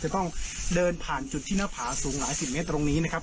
จะต้องเดินผ่านจุดที่หน้าผาสูงหลายสิบเมตรตรงนี้นะครับ